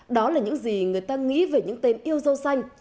đó là những gì người ta nghĩ về những tên yêu dâu xanh